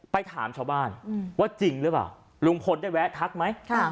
ไปถามชาวบ้านว่าจริงหรือเปล่าลุงพลได้แวะทักไหม